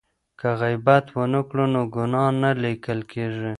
که غیبت ونه کړو نو ګناه نه لیکل کیږي.